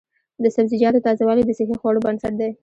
د سبزیجاتو تازه والي د صحي خوړو بنسټ دی.